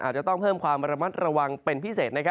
อาจจะต้องเพิ่มความระมัดระวังเป็นพิเศษ